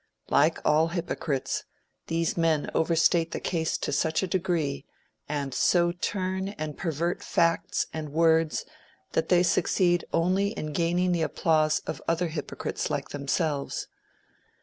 Like all hypocrites, these men overstate the case to such a degree, and so turn and pervert facts and words that they succeed only in gaining the applause of other hypocrites like themselves.